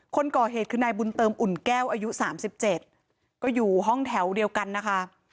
คนก่อเหตุคือนายบุญเติมอุ่นแก้วอายุ๓๗ก็อยู่ห้องแถวเดียวกันนะคะ